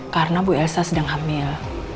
karena bu elsa sedang hamil